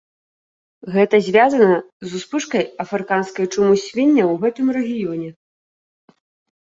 Гэта звязана з успышкай афрыканскай чумы свінняў у гэтым рэгіёне.